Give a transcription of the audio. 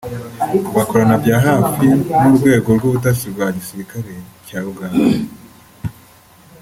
bakorana bya hafi n’Urwego rw’Ubutasi rwa mu Gisirikare cya Uganda